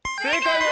正解！